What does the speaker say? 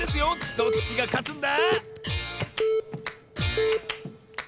どっちがかつんだ？